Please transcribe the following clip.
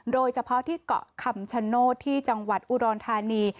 โดยเฉพาะที่เกาะคำชโนธที่จังหวัดอุดรธานี